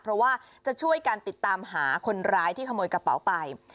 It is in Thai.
เพราะว่าจะช่วยกันติดตามหาคนร้ายที่ขโมยกระเป๋าไป